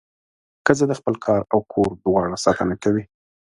ښځه د خپل کار او کور دواړو ساتنه کوي.